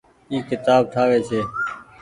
اي ڪيتآب ٺآوي ڇي۔